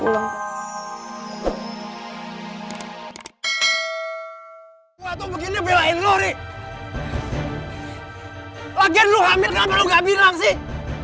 lagi lagi lu hamil kenapa lu nggak bilang sih